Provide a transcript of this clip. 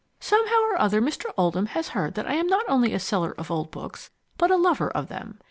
Somehow or other Mr. Oldham has heard that I am not only a seller of old books but a lover of them.